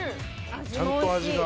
ちゃんと味が。